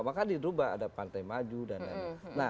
maka dirubah ada pantai maju dan lain lain